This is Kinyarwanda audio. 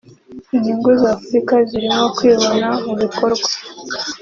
Inyungu za Afurika zirimo kwibona mu bikorwa